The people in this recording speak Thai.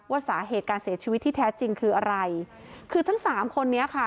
ว่าสาเหตุการเสียชีวิตที่แท้จริงคืออะไรคือทั้งสามคนนี้ค่ะ